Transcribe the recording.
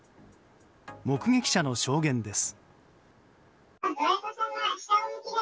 目撃者の証言です。